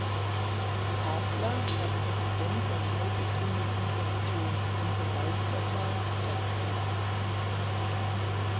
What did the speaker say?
Hasler war Präsident der neu gegründeten Sektion und begeisterter Bergsteiger.